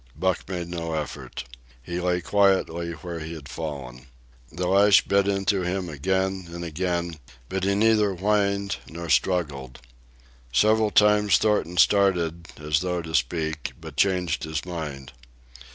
Buck made no effort. He lay quietly where he had fallen. The lash bit into him again and again, but he neither whined nor struggled. Several times Thornton started, as though to speak, but changed his mind.